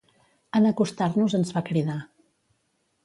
En acostar-nos ens va cridar.